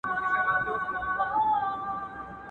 o خوريی په بدي کي ايله دئ.